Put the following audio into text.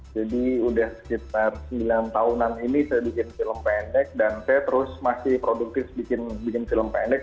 jadi sudah sekitar sembilan tahunan ini saya bikin film pendek dan saya terus masih produktif bikin film pendek